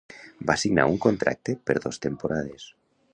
Va signar un contracte per dos temporades.